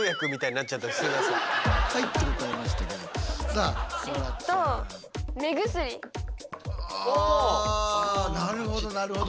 あなるほどなるほど。